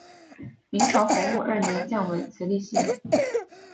明朝洪武二年降为慈利县。